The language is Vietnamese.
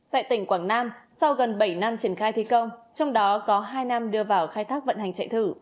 tại tỉnh quảng nam sau gần bảy năm triển khai thi công trong đó có hai năm đưa vào khai thác vận hành chạy thử